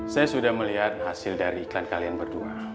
saya sudah melihat hasil dari iklan kalian berdua